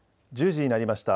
１０時になりました。